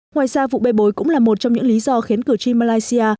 ngoài ra vụ bê bối cũng là một trong những lý do khiến cử tri malaysia